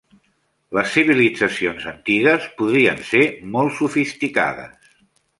Les civilitzacions antigues podrien ser molt sofisticades